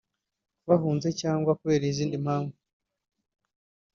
bahunze cyangwa kubera izindi mpamvu